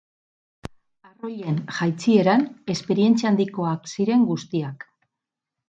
Arroilen jaitsieran esperientzia handikoak ziren guztiak.